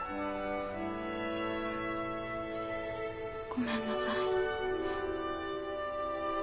ごめんなさい。